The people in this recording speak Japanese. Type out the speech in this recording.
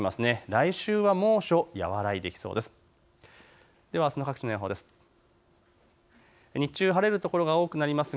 来週は猛暑和らいできそうです。